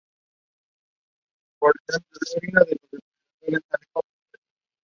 La sede del condado es Emory, al igual que su mayor ciudad.